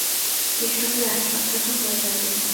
এসবের এক সপ্তাহ হয়ে গেল।